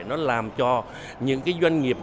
nó làm cho những doanh nghiệp